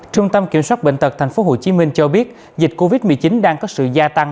trung tâm kiểm soát bệnh tật tp hcm cho biết dịch covid một mươi chín đang có sự gia tăng